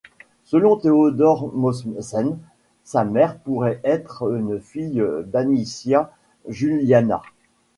Selon Theodor Mommsen, sa mère pourrait être une fille d'Anicia Juliana.